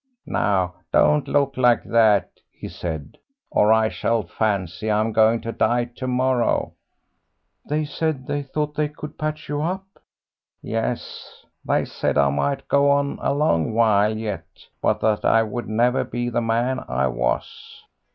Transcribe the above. "Now, don't look like that," he said, "or I shall fancy I'm going to die to morrow." "They said they thought that they could patch you up?" "Yes; they said I might go on a long while yet, but that I would never be the man I was."